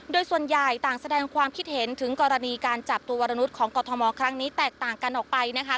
โดยส่วนใหญ่ต่างแสดงความคิดเห็นถึงกรณีการจับตัววรนุษย์ของกรทมครั้งนี้แตกต่างกันออกไปนะคะ